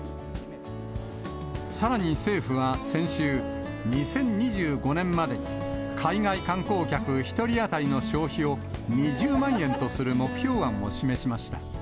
さらに政府は先週、２０２５年までに海外観光客１人当たりの消費を、２０万円とする目標案を示しました。